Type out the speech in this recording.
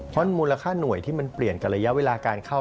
เพราะมูลค่าหน่วยที่มันเปลี่ยนกับระยะเวลาการเข้า